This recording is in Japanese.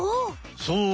そう。